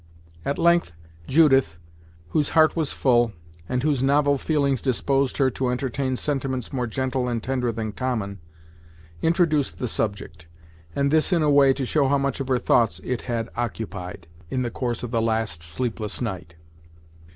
At length Judith, whose heart was full, and whose novel feelings disposed her to entertain sentiments more gentle and tender than common, introduced the subject, and this in a way to show how much of her thoughts it had occupied, in the course of the last sleepless night.